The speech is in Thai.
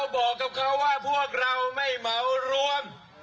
บอกกับเขาว่าพวกเราไม่เหมารวม